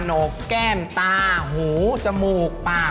โหนกแก้มตาหูจมูกปาก